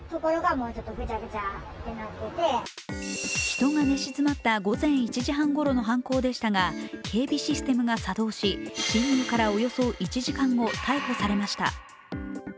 人が寝静まった午前１時半ごろの犯行でしたが、警備システムが作動し、侵入からおよそ１時間後、逮捕されました。